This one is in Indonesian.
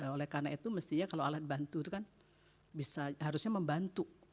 oleh karena itu mestinya kalau alat bantu itu kan harusnya membantu